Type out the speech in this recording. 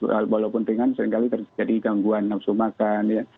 walaupun ringan seringkali terjadi gangguan nafsu makan ya